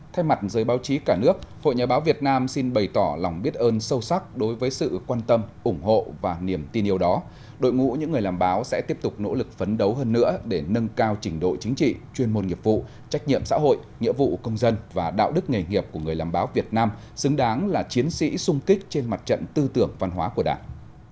thay mặt giới báo chí cả nước hội nhà báo việt nam xin bày tỏ lòng biết ơn sâu sắc đối với sự quan tâm ủng hộ và niềm tin yêu đó đội ngũ những người làm báo sẽ tiếp tục nỗ lực phấn đấu hơn nữa để nâng cao trình độ chính trị chuyên môn nghiệp vụ trách nhiệm xã hội nhiệm vụ công dân và đạo đức nghề nghiệp của người làm báo việt nam xứng đáng là chiến sĩ sung kích trên mặt trận tư tưởng văn hóa của đảng